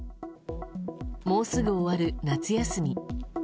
もうすぐ終わる夏休み。